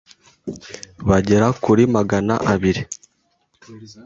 bagera ku kuri Magana abiri